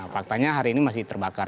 faktanya hari ini masih terbakar